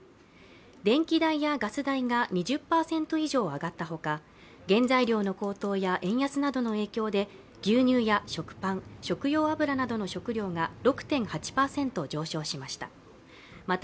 電気代やガス代が２０％以上上がったほか原材料の高騰や円安などの影響で牛乳や食パン、食用油などの食料が６．８％上昇しました。